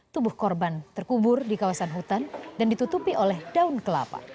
tubuh korban terkubur di kawasan hutan dan ditutupi oleh daun kelapa